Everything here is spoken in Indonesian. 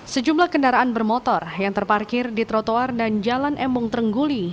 sejumlah kendaraan bermotor yang terparkir di trotoar dan jalan embung terengguli